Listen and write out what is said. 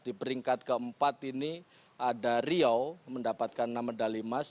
di peringkat keempat ini ada riau mendapatkan enam medali emas